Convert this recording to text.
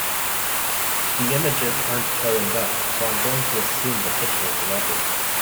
The images are n't showing up, so I 'm going to assume the picture is lovely.